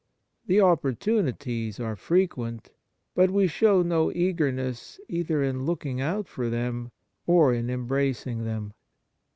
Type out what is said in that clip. The opportunities are frequent, but we show no eagerness either in looking out for them, or in embracing them.